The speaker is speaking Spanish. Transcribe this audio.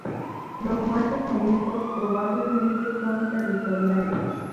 Los machos adultos probablemente son territoriales.